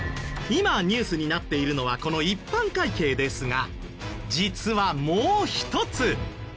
今ニュースになっているのはこの一般会計ですが実はもう一つ。